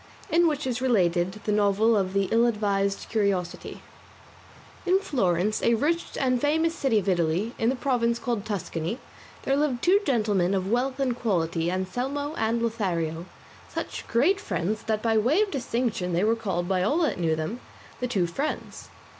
IN WHICH IS RELATED THE NOVEL OF "THE ILL ADVISED CURIOSITY" In Florence, a rich and famous city of Italy in the province called Tuscany, there lived two gentlemen of wealth and quality, Anselmo and Lothario, such great friends that by way of distinction they were called by all that knew them "The Two Friends."